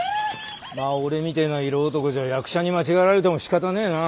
まあ俺みてえな色男じゃ役者に間違えられてもしかたねえな。